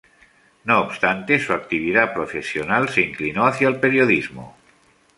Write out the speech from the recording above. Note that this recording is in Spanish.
No obstante, su actividad profesional se inclinó hacia el periodismo.